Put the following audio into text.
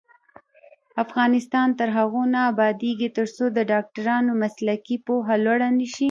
افغانستان تر هغو نه ابادیږي، ترڅو د ډاکټرانو مسلکي پوهه لوړه نشي.